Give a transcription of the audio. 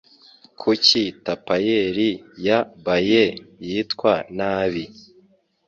Kuki Tapeyeri ya Bayeux Yitwa nabi